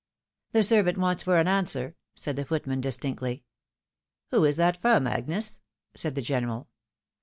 " The servant waits for an answer," said the footman, distinctly. " Who is that from, Agnes ?" said the general.